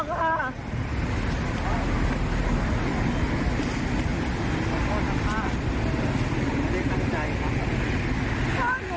พ่อขอโทษนะคะไม่ได้ตั้งใจค่ะ